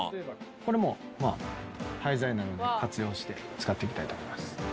これもまあ廃材なので活用して使っていきたいと思います。